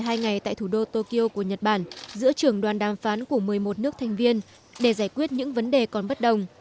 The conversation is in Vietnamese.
tổ chức lễ ký kết tại thủ đô tokyo của nhật bản giữa trường đoàn đàm phán của một mươi một nước thành viên để giải quyết những vấn đề còn bất đồng